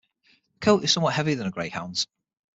The coat is somewhat heavier than a Greyhound's.